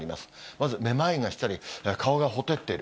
まずめまいがしたり、顔がほてってる。